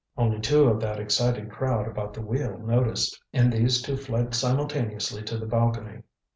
Only two of that excited crowd about the wheel noticed. And these two fled simultaneously to the balcony.